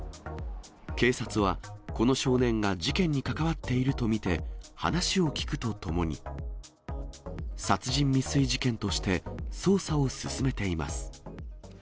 警察は、この少年が事件にかかわっていると見て、話を聴くとともに、殺人未遂事件として捜査を進めています。